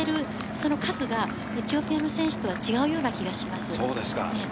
その数がエチオピアの選手とは違うような気がします。